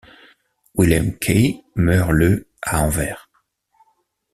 Willem Key meurt le à Anvers.